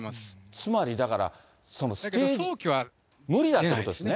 つまりだから、早期は無理だっていうことですね。